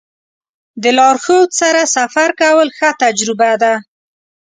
د لارښود سره سفر کول ښه تجربه ده.